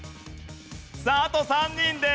さああと３人です。